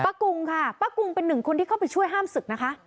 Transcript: กุงค่ะป้ากุงเป็นหนึ่งคนที่เข้าไปช่วยห้ามศึกนะคะ